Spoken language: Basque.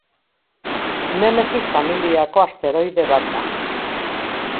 Nemesis familiako asteroide bat da.